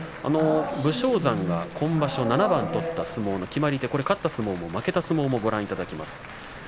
武将山が今場所７番取った相撲の決まり手、勝った相撲も負けた相撲もご覧いただきます。